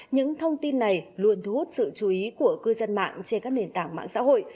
những thông tin này luôn thu hút sự chú ý của cư dân mạng trên các nền tảng mạng xã hội